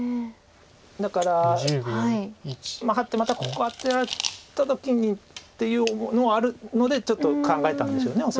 だからハッてまたここアテられた時にっていうのはあるのでちょっと考えたんでしょう恐らく。